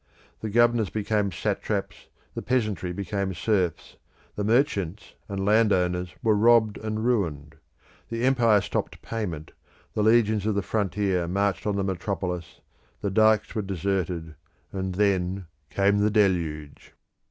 The governors became satraps, the peasantry became serfs, the merchants and landowners were robbed and ruined, the empire stopped payment, the legions of the frontier marched on the metropolis, the dikes were deserted, and then came the deluge.